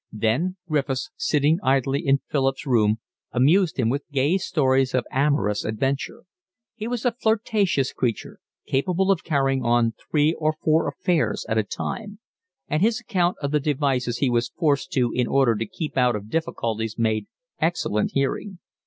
Then Griffiths, sitting idly in Philip's room, amused him with gay stories of amorous adventure. He was a flirtatious creature, capable of carrying on three or four affairs at a time; and his account of the devices he was forced to in order to keep out of difficulties made excellent hearing.